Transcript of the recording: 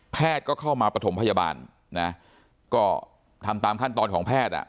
ก็เข้ามาปฐมพยาบาลนะก็ทำตามขั้นตอนของแพทย์อ่ะ